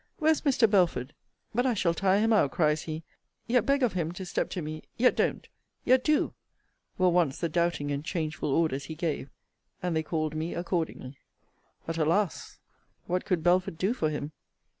Where's Mr. Belford? But I shall tire him out, cries he yet beg of him to step to me yet don't yet do; were once the doubting and changeful orders he gave: and they called me accordingly. But, alas! What could Belford do for him?